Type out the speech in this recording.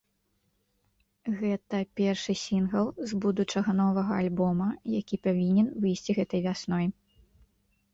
Гэта першы сінгл з будучага новага альбома, які павінен выйсці гэтай вясной.